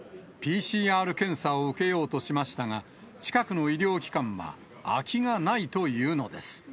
ＰＣＲ検査を受けようとしましたが、近くの医療機関は空きがないというのです。